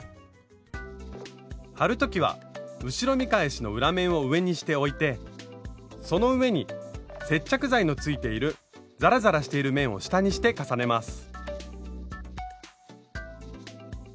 貼る時は後ろ見返しの裏面を上にして置いてその上に接着剤のついているざらざらしている面を下にして重ねます。